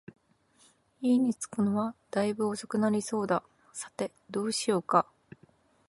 家に着くのは大分遅くなりそうだ、さて、どうしようか